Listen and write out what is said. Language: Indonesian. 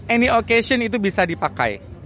any occasion itu bisa dipakai